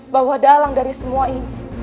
bahwa dalang dari semua ini